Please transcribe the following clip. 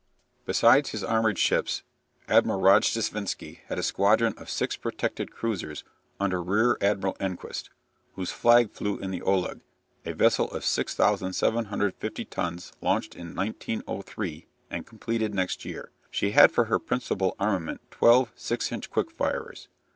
Besides his armoured ships, Admiral Rojdestvensky had a squadron of six protected cruisers under Rear Admiral Enquist, whose flag flew in the "Oleg," a vessel of 6750 tons launched in 1903, and completed next year. She had for her principal armament twelve six inch quick firers.